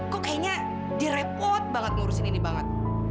kok kayaknya dia repot banget ngurusin ini banget